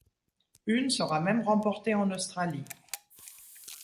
Une sera même remportée en Australie.